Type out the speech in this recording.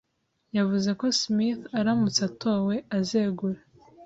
Yavuze ko Smith aramutse atowe, azegura.